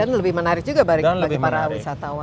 dan lebih menarik juga bagi para wisatawan